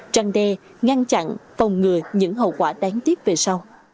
trăng đe ngăn chặn phòng ngừa những hậu quả đáng tiếc về sau